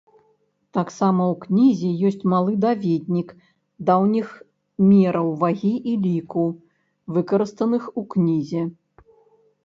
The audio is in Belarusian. Таксама ў кнізе ёсць малы даведнік даўніх мераў вагі і ліку, выкарыстаных у кнізе.